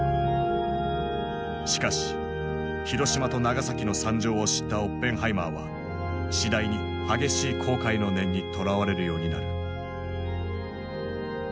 しかし広島と長崎の惨状を知ったオッペンハイマーは次第に激しい後悔の念にとらわれるようになる。